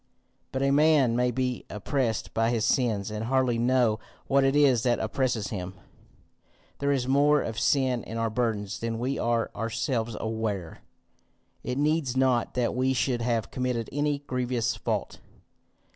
"But a man may be oppressed by his sins, and hardly know what it is that oppresses him. There is more of sin in our burdens than we are ourselves aware. It needs not that we should have committed any grievous fault.